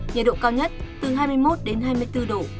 nhiệt độ cao nhất từ hai mươi một đến hai mươi bốn độ